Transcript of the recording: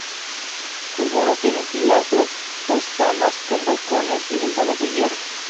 Sus muros tienen pilastras toscanas con balcones y ventanas de hierro.